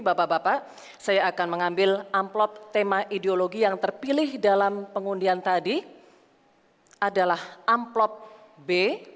bapak bapak saya akan mengambil amplop tema ideologi yang terpilih dalam pengundian tadi adalah amplop b